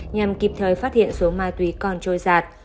nhằm kịp thời phát hiện số ma túy còn trôi giạt